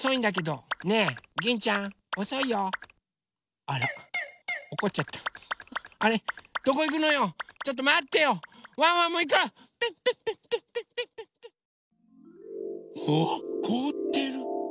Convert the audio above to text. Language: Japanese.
おおっこおってる！